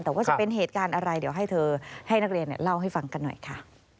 แต่ว่าจะเป็นเหตุการณ์อะไรเดี๋ยวให้เธอให้นักเรียนเล่าให้ฟังกันหน่อยค่ะ